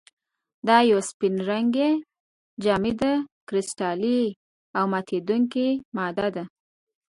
دا یوه سپین رنګې، جامده، کرسټلي او ماتیدونکې ماده ده.